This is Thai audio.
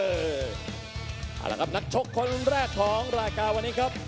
เอาละครับนักชกคนแรกของรายการวันนี้ครับ